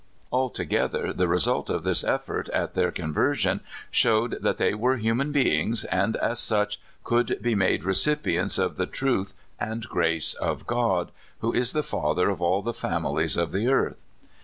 Altogether, the result of this effort at their conver sion showed that they were human beings, and as such could be made recipients of the truth and grace of God, who is the Father of all the families of the earth.